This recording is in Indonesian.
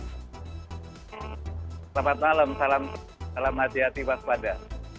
selamat malam salam hati hati waspada